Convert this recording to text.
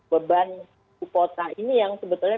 beban kuota ini yang sebetulnya